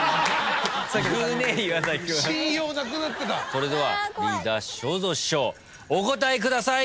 それではリーダー正蔵師匠お答えください。